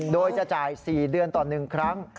โดยจะจ่าย๔เดือนต่อ๑ครั้ง